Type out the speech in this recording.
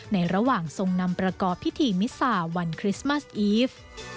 ในระหว่างทรงนำประกอบพิธีมิสาวันคริสต์มัสอีฟ